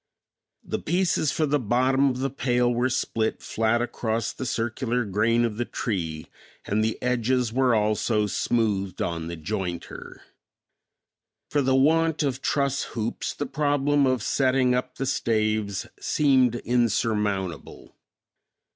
The pieces for the bottom of the pail were split flat across the circular grain of the tree, and the edges were also smoothed on the jointer. For the want of truss hoops, the problem of setting up the staves seemed insurmountable.